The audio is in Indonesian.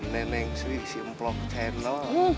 neneng sri si ngeplok tenno